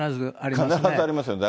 必ずありますよね。